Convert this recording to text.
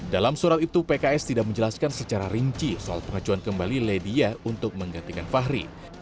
dalam surat itu pks tidak menjelaskan secara rinci soal pengajuan kembali ledia untuk menggantikan fahri